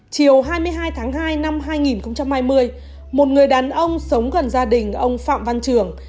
chiều hai mươi hai tháng hai năm hai nghìn hai mươi một người đàn ông sống gần gia đình ông phạm văn trường